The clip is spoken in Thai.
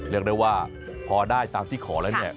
เรียกได้ว่าพอได้ตามที่ขอแล้วเนี่ย